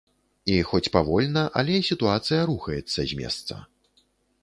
І хоць павольна, але сітуацыя рухаецца з месца.